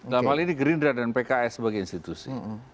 dalam hal ini gerindra dan pks sebagai institusi